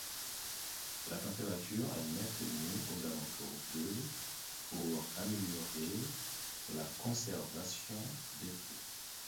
La température est maintenue aux alentours de pour améliorer la conservation des peaux.